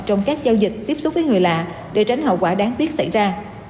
trong các giao dịch tiếp xúc với người lạ để tránh hậu quả đáng tiếc xảy ra